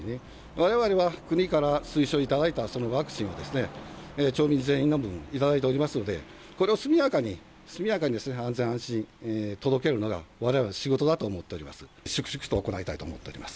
われわれは国から推奨いただいたそのワクチンを町民全員の分頂いておりますので、これを速やかに、速やかに安全・安心、届けるのが、われわれの仕事だと思っております。